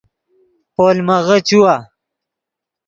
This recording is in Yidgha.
پولمغے چیوا